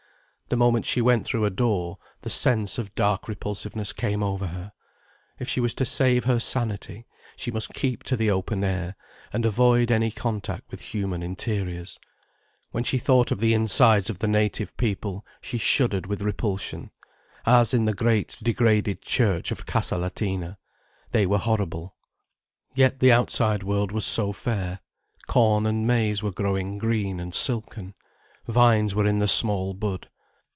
The moment she went through a door the sense of dark repulsiveness came over her. If she was to save her sanity she must keep to the open air, and avoid any contact with human interiors. When she thought of the insides of the native people she shuddered with repulsion, as in the great, degraded church of Casa Latina. They were horrible. Yet the outside world was so fair. Corn and maize were growing green and silken, vines were in the small bud.